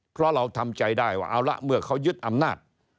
เพราะเราทำใจได้ว่าเอาละเมื่อเขายึดอำนาจ